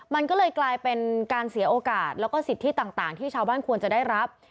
มันก็เลยกลายเป็นการเสียโอกาสแล้วก็สิทธิต่างที่ชาวบ้านควรจะได้รับ